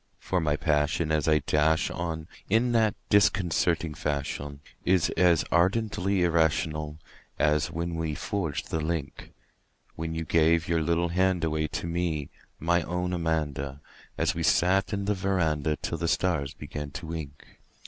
For my passion as I dash on in that disconcerting fashion Is as ardently irrational as when we forged the link When you gave your little hand away to me, my own Amanda An we sat 'n the veranda till the stars began to wink.